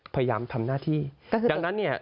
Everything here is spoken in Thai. พยายามทำหน้าที่ดังนั้นเนี่ย